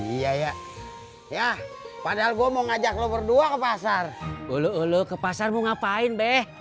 iya ya ya padahal gue mau ngajak nomor dua ke pasar ulu ulu ke pasar mau ngapain deh